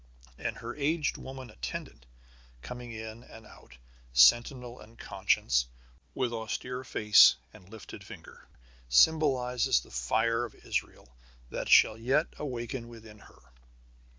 And her aged woman attendant, coming in and out, sentinel and conscience, with austere face and lifted finger, symbolizes the fire of Israel that shall yet awaken within her.